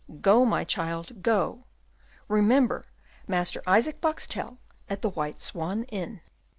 Go, my child, go, remember, Master Isaac Boxtel at the White Swan Inn."